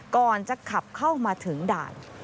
ก่อนจะขับเข้ามาถึงด่าน